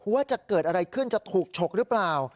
ว่าจะเกิดอะไรขึ้นจะถูกฉกหรือเปล่า